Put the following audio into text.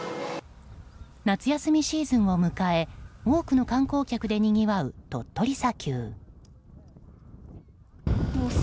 夏休みシーズンを迎え多くの観光客でにぎわう鳥取砂丘。